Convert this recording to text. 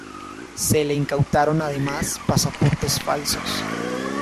Se le incautaron además pasaportes falsos.